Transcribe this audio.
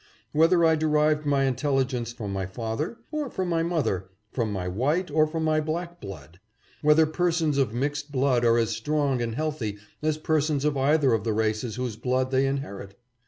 Whether I derived my intelligence from my father, or from my mother, from my white, or from my black blood? Whether persons of mixed blood are as strong and healthy as persons of either of the races whose blood they inherit